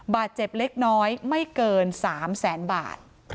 บาดเจ็บเล็กน้อยไม่เกิน๓แสนบาท